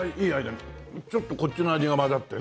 ちょっとこっちの味が混ざってね。